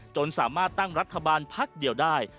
จนสามารถตั้งรัฐบาลพักเดียวได้